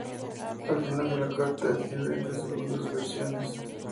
El final de la carta es diferente según las versiones.